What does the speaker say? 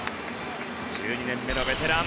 １２年目のベテラン。